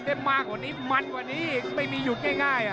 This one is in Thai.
เดินไม่จริง